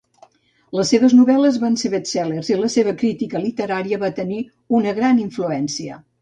Les seves novel·les van ser best-seller i la seva crítica literària va tenir una gran influència.